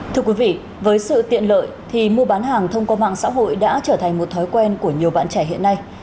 thưa quý vị với sự tiện lợi thì mua bán hàng thông qua mạng xã hội đã trở thành một thói quen của nhiều bạn trẻ hiện nay